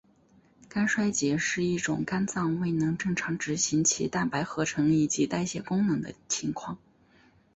肝衰竭是一种肝脏未能正常执行其蛋白合成以及代谢功能的情况。